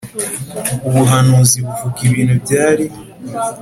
Ubuhanuzi buvuga ibintu byari